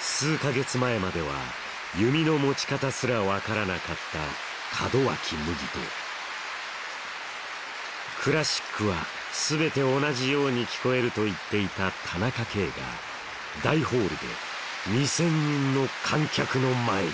数か月前までは弓の持ち方すら分からなかった門脇麦とクラシックは全て同じように聞こえると言っていた田中圭が大ホールで２０００人の観客の前に